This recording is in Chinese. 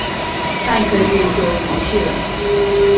半个月就不去了